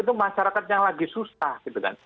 itu masyarakat yang lagi susah gitu kan